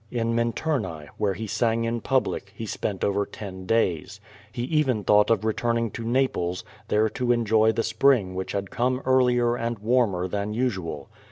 In Minturnae, where he sang in public, he spent over ten days. lie even thought of returning to Na l)K's, there to enjoy the s])ring whicli had come earlier and warmer than usual.